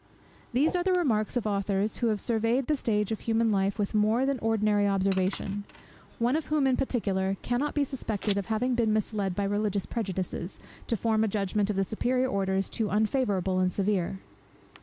These are the remarks of authors, who have surveyed the stage of human life with more than ordinary observation; one of whom in particular cannot be suspected of having been misled by religious prejudices, to form a judgment of the superior orders too unfavourable and severe.